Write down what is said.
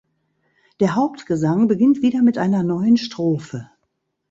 Der Hauptgesang beginnt wieder mit einer neuen Strophe.